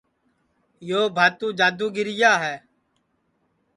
یو بھاتو جادو گیرا ہے